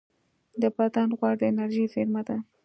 د بدن غوړ د انرژۍ زېرمه ده